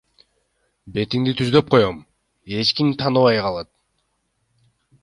Бетиңди түздөп коём, эч ким тааныбай калат.